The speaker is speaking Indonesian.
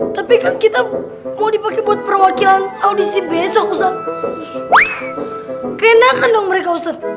tapi kita mau dipakai buat perwakilan audisi besok usah kenakan dong mereka